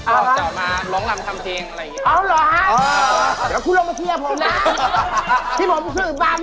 เอ้าจะเอามาหลองลำทำเทียงอะไรอย่างนี้นะครับ